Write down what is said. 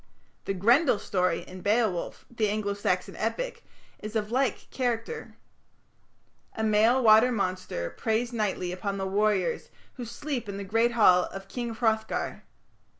The Grendel story in Beowulf, the Anglo Saxon epic, is of like character. A male water monster preys nightly upon the warriors who sleep in the great hall of King Hrothgar.